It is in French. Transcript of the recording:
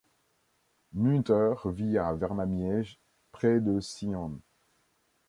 Munter vit à Vernamiège près de Sion.